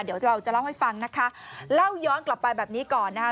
เดี๋ยวเราจะเล่าให้ฟังนะคะเล่าย้อนกลับไปแบบนี้ก่อนนะคะ